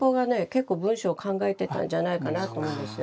結構文章考えてたんじゃないかなと思うんですよ。